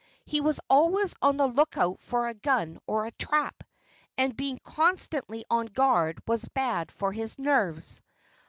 He was always on the lookout for a gun, or a trap. And being constantly on guard was bad for his nerves.